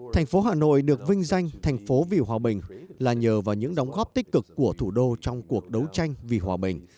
thành phố hà nội được vinh danh thành phố vì hòa bình là nhờ vào những đóng góp tích cực của thủ đô trong cuộc đấu tranh vì hòa bình